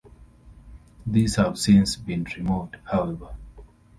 These have since been removed however.